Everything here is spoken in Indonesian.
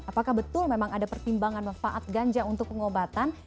apakah betul memang ada pertimbangan manfaat ganja untuk pengobatan